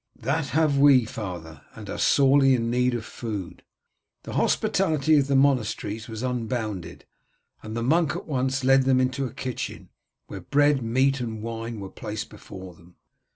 "That have we, father, and are sorely in need of food." The hospitality of the monasteries was unbounded, and the monk at once led them into the kitchen, where bread, meat, and wine were placed before them.